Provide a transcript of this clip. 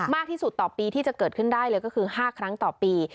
มากที่สุดต่อปีที่จะเกิดขึ้นได้เลยก็คือ๕ครั้งต่อปี